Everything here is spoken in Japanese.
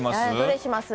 どれします？